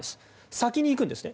先に行くんですね。